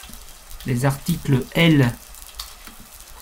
Les articles L.